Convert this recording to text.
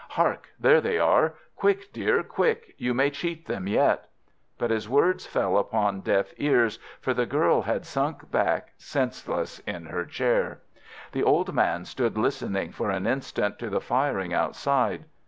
"Hark! There they are! Quick, dear, quick, you may cheat them yet!" But his words fell upon deaf ears, for the girl had sunk back senseless in her chair. The old man stood listening for an instant to the firing outside.